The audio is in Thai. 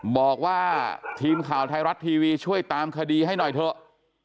บอกว่าทีมข่าวไทยรัฐทีวีช่วยตามคดีให้หน่อยเถอะ